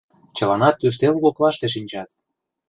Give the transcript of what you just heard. Чыланат ӱстел коклаште шинчат.